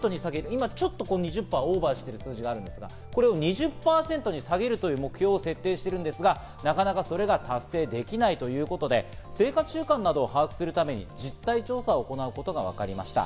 今ちょっと２０％をオーバーしていますが、これを２０％に下げるという目標を設定しているんですが、なかなかそれが達成できないということで、生活習慣などを把握するために実態調査を行うことがわかりました。